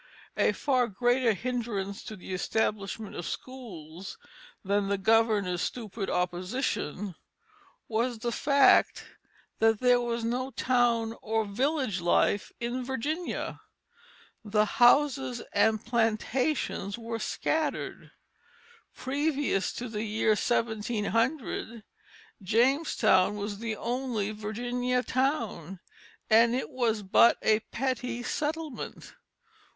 A far greater hindrance to the establishment of schools than the governor's stupid opposition, was the fact that there was no town or village life in Virginia; the houses and plantations were scattered; previous to the year 1700 Jamestown was the only Virginia town, and it was but a petty settlement.